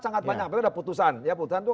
sangat banyak pertama ada putusan ya putusan itu